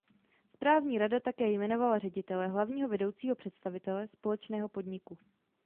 Správní rada také jmenovala ředitele, hlavního vedoucího představitele, společného podniku.